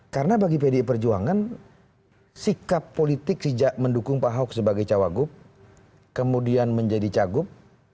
karena bagi pdi perjuangan sikap politik sejak mendukung pak ahok sebagai cawagup kemudian menjadi cagup